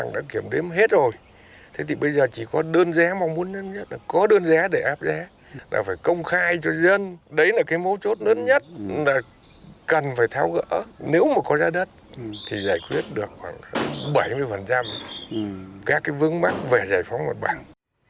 đấy là cái mấu chốt lớn nhất cần phải tháo gỡ nếu mà có ra đất thì giải quyết được khoảng bảy mươi các vướng mắt về giải phóng mặt bằng